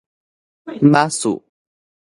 巴士